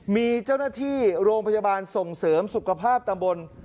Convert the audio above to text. มีเจ้าหน้าที่โรงพยาบาลส่งเสริมสุขภาพตำบล